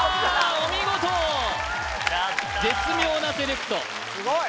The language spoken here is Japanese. お見事絶妙なセレクトすごい！